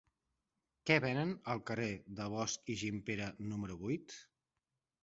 Què venen al carrer de Bosch i Gimpera número vuit?